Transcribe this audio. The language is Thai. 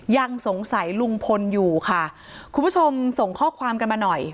ยังสงสัยลุงพลอยู่ค่ะคุณผู้ชมส่งข้อความกันมาหน่อย